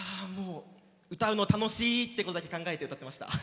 歌うの楽しいってことだけ考えて歌っていました。